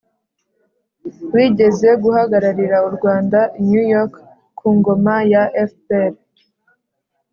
wigeze guhagararira u rwanda i new york ku ngoma ya fpr.